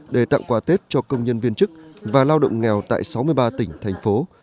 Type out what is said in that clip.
để tặng quà tết cho công nhân viên chức và lao động nghèo tại sáu mươi ba tỉnh thành phố